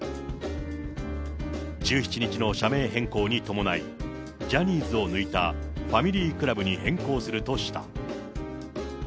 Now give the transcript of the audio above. １７日の社名変更に伴い、ジャニーズを抜いたファミリークラブに変更するとした。